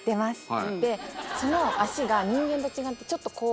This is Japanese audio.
その足が人間と違ってちょっとこう。